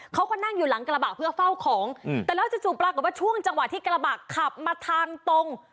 เขาก็นั่งอยู่หลังกระบะเพื่อเฝ้าของแต่แล้วจู่ปรากฏว่าช่วงจังหวะที่กระบะขับมาทางตรง